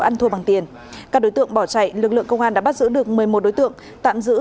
ăn thua bằng tiền các đối tượng bỏ chạy lực lượng công an đã bắt giữ được một mươi một đối tượng tạm giữ